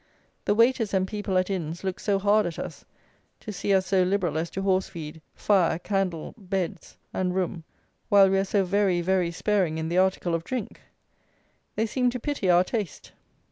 The waiters and people at inns look so hard at us to see us so liberal as to horse feed, fire, candle, beds, and room, while we are so very very sparing in the article of drink! They seem to pity our taste.